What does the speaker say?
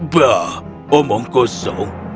bah berbicara kosong